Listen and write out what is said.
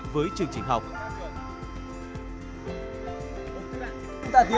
về các chiến sĩ nhí